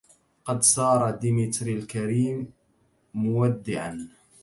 قد سار ديمتري الكريم مودعا